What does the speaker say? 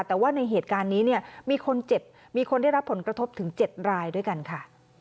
แต่ว่าในเหตุการณ์นี้เนี่ยมีคนเจ็บมีคนได้รับผลกระทบถึง๗รายด้วยกันค่ะ